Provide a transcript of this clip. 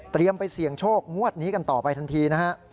ไปเสี่ยงโชคงวดนี้กันต่อไปทันทีนะฮะ